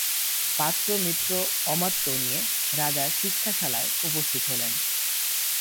পাত্র-মিত্র-অমাত্য নিয়ে রাজা শিক্ষাশালায় উপস্থিত হলেন।